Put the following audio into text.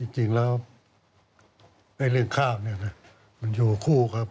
จริงแล้วเรื่องข้าวเนี่ยนะมันอยู่คู่กับ